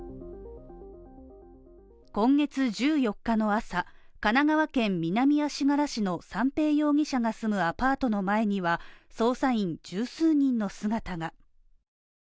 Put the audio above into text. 今月１４日の朝、神奈川県南足柄市の三瓶容疑者が住むアパートの前には捜査員十数人の姿が。